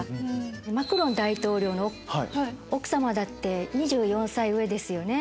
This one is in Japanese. マクロン大統領の奥様だって２４歳上ですよね。